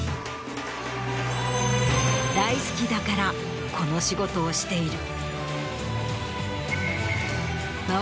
大好きだからこの仕事をしている。